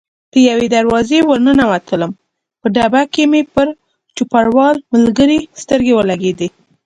په یوې دروازې ور ننوتلم، په ډبه کې مې پر چوپړوال ملګري سترګې ولګېدې.